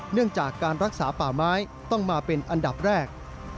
เนื่องจากการรักษาป่าไม้ต้องมาเป็นอันดับแรก